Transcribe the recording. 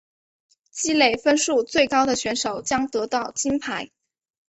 累积分数最高的选手将得到金牌。